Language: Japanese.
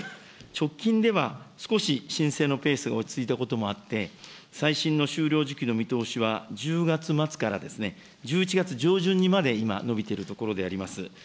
直近では少し申請のペースが落ち着いたこともあって、最新の終了時期の見通しは１０月末から１１月上旬にまで、今、延びているところであります。